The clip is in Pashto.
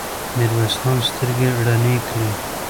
ميرويس خان سترګې رڼې کړې.